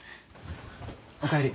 おかえり。